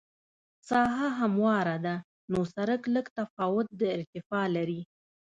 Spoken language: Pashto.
ساحه همواره ده نو سرک لږ تفاوت د ارتفاع لري